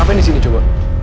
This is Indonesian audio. ngapain disini coba